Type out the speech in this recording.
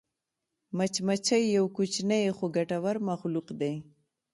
مچمچۍ یو کوچنی خو ګټور مخلوق دی